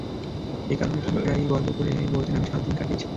একারণে তিনি প্রায়ই গর্ব করে বলতেন, আমি সাত দিন কাটিয়েছি।